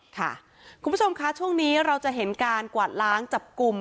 คุณผู้ชมค่ะช่วงนี้เราจะเห็นการกวาดล้างจับกลุ่ม